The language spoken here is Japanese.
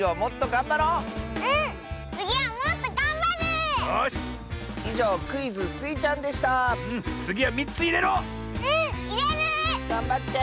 がんばって！